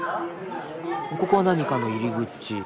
ここは何かの入り口。